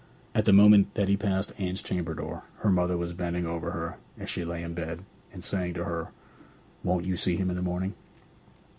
At the moment that he passed Anne's chamber door her mother was bending over her as she lay in bed, and saying to her, 'Won't you see him in the morning?'